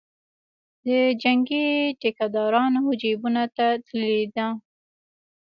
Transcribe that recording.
د جنګي ټیکدارانو جیبونو ته تللې ده.